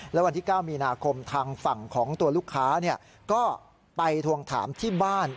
แล้ววันที่๙มีนาคมทางฝั่งของตัวลูกค้าก็ไปทวงถามที่บ้าน